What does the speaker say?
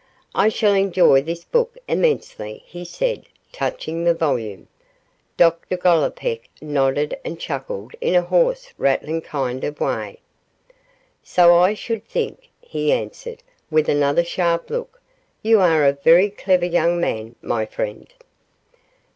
'I shall enjoy this book immensely,' he said, touching the volume. Dr Gollipeck nodded and chuckled in a hoarse rattling kind of way. 'So I should think,' he answered, with another sharp look, 'you are a very clever young man, my friend.